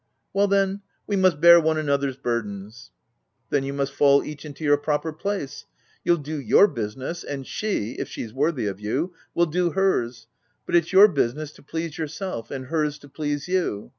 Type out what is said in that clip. " Well, then, we must bear one another's burdens." " Then, you must fall each into your proper place. You'll do your business, and she, if she's worthy of you, will do hers ; but it's your business to please yourself, and hers to please you.